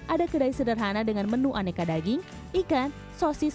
ada kedai sederhana dengan menu aneka daging ikan sosis